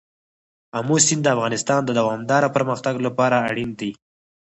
آمو سیند د افغانستان د دوامداره پرمختګ لپاره اړین دي.